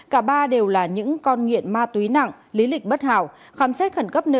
cả ba đều là những con nghiện ma túy nặng lý lịch bất hảo khám xét khẩn cấp nơi ở